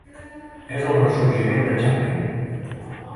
És el ressorgiment de Chaplin.